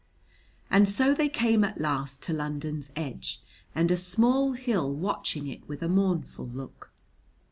And so they came at last to London's edge and a small hill watching it with a mournful look.